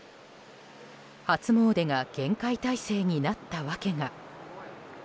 初詣が厳戒態勢になった訳が。